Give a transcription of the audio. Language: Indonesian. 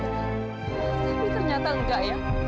tapi ternyata enggak ya